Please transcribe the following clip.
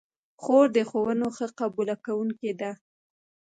خور د ښوونو ښه قبوله کوونکې ده.